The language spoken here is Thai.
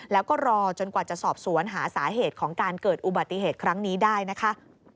แล้วก็รอจนกว่าจะสอบสวนหาสาเหตุของการเกิดอุบัติเหตุครั้งนี้ได้นะคะ